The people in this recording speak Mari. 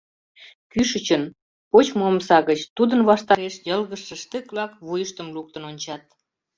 Кӱшычын, почмо омса гыч, тудын ваштареш йылгыжше штык-влак вуйыштым луктын ончат.